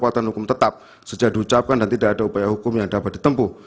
kekuatan hukum tetap sejak diucapkan dan tidak ada upaya hukum yang dapat ditempuh